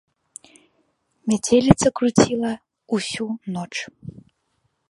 Мяцеліца круціла ўсю ноч.